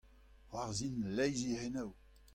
C'hoarzhin leizh e c'henoù.